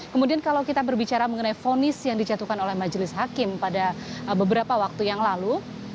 kemudian kalau kita berbicara mengenai fonis yang dijatuhkan oleh majelis hakim pada beberapa waktu yang lalu